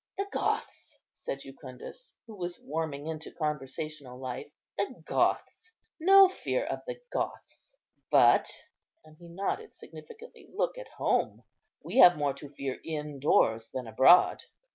"The Goths!" said Jucundus, who was warming into conversational life, "the Goths! no fear of the Goths; but," and he nodded significantly, "look at home; we have more to fear indoors than abroad."